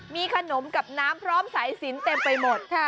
มีขนมกับน้ำพร้อมสายสินเต็มไปหมด